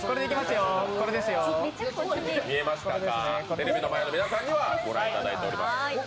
テレビの前の皆さんにはご覧いただいております。